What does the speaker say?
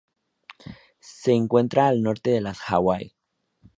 Se encuentra al norte de las Hawaii.